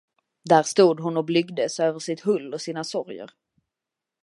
Där stod hon och blygdes över sitt hull och sina sorger.